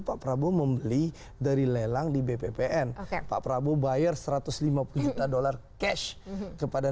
pak prabowo membeli dari lelang di bppn pak prabowo bayar satu ratus lima puluh juta dolar cash kepada